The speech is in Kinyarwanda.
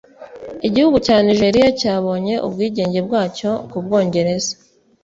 Igihugu cya Nigeria cyabonye ubwigenge bwacyo ku Bwongereza